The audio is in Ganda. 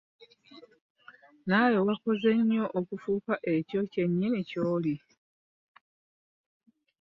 Naawe wakoze nnyo okufuuka ekyo kyennyini ky'oli.